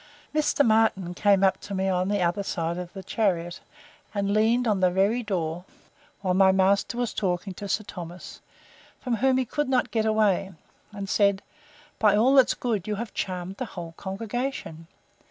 Mr. Martin came up to me on the other side of the chariot, and leaned on the very door, while my master was talking to Sir Thomas, from whom he could not get away; and said, By all that's good, you have charmed the whole congregation!